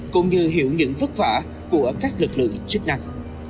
cũng như hiểu những vất vả của các lực lượng chức năng